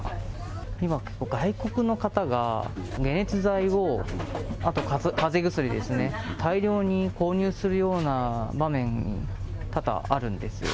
今、外国の方が、解熱剤を、あとかぜ薬ですね、大量に購入するような場面、多々あるんですよ。